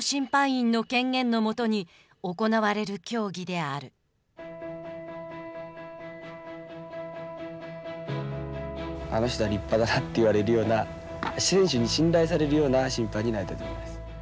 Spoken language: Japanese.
あの人は立派だなって言われるような、選手に信頼されるような審判になりたいと思います。